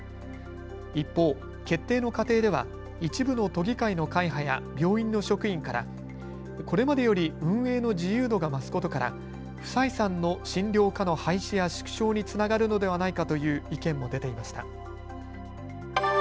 一方、決定の過程では一部の都議会の会派や病院の職員から、これまでより運営の自由度が増すことから不採算の診療科の廃止や縮小につながるのではないかという意見も出ていました。